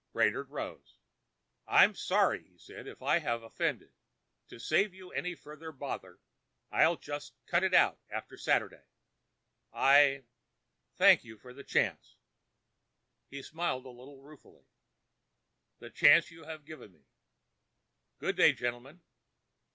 Brainard rose. "I'm sorry," he said, "if I have offended. To save you any further bother, I'll just cut it out after Saturday. I—thank you for the chance"—he smiled a little ruefully—"the chance you have given me. Good day, gentlemen."